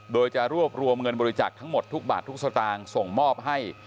โดยจะรวบรวมเงินบริจาคทั้งหมดทุกบาททุกสตางค์ส่งมอบให้